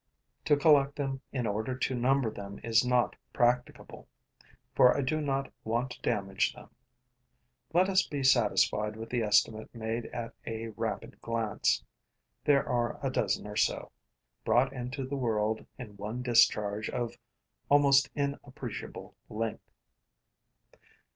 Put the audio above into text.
To collect them in order to number them is not practicable, for I do not want to damage them. Let us be satisfied with the estimate made at a rapid glance: there are a dozen or so, brought into the world in one discharge of almost inappreciable length.